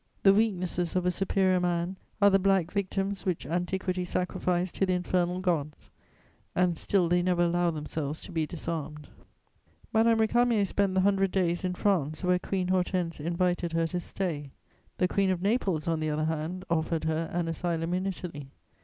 The weaknesses of a superior man are the black victims which antiquity sacrificed to the infernal gods, and still they never allow themselves to be disarmed. [Sidenote: Madame de Krüdener.] Madame Récamier spent the Hundred Days in France, where Queen Hortense invited her to stay; the Queen of Naples, on the other hand, offered her an asylum in Italy.